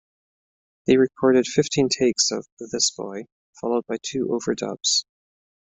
They recorded fifteen takes of "This Boy" followed by two overdubs.